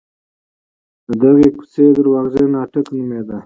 د دغې کوڅې درواغجن اټک نومېده.